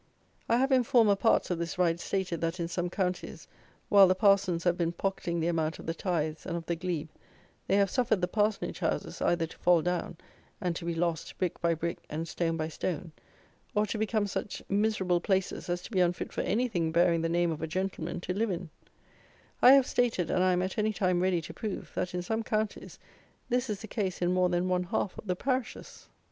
I have, in former parts of this ride, stated, that, in some counties, while the parsons have been pocketing the amount of the tithes and of the glebe, they have suffered the parsonage houses either to fall down and to be lost, brick by brick, and stone by stone, or to become such miserable places as to be unfit for anything bearing the name of a gentleman to live in; I have stated, and I am at any time ready to prove, that, in some counties, this is the case in more than one half of the parishes!